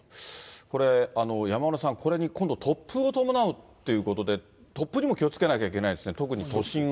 これ、山村さん、これに今度、突風を伴うということで、突風にも気をつけなきゃいけないですね、特に都心は。